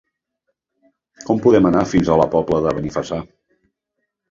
Com podem anar fins a la Pobla de Benifassà?